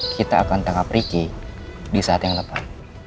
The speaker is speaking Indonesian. kita akan tangkap ricky di saat yang tepat